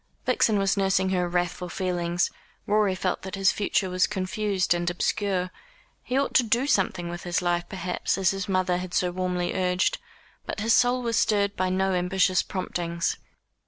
Vixen was nursing her wrathful feelings; Rorie felt that his future was confused and obscure. He ought to do something with his life, perhaps, as his mother had so warmly urged. But his soul was stirred by no ambitious promptings.